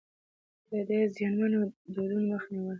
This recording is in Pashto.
ده د زيانمنو دودونو مخه نيوله.